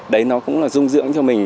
đấy nó cũng là dung dụng cho mình